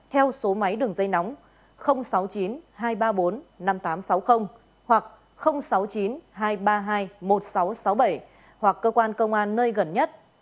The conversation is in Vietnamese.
theo số máy đường dây nóng sáu mươi chín hai trăm ba mươi bốn năm nghìn tám trăm sáu mươi hoặc sáu mươi chín hai trăm ba mươi hai một nghìn sáu trăm sáu mươi bảy hoặc cơ quan công an nơi gần nhất